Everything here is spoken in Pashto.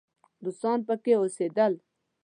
روسان به پکې اوسېدل.